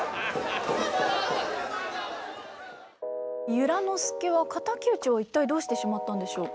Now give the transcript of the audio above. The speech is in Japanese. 由良之助は敵討は一体どうしてしまったんでしょう？